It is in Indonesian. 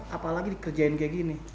apalagi dikerjain kayak gini